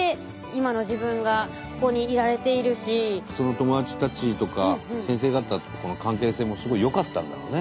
友達たちとか先生方との関係性もすごいよかったんだろうね。